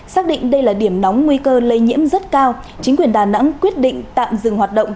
xác định đây là điểm nóng nguy cơ lây nhiễm rất cao chính quyền đà nẵng quyết định tạm dừng hoạt động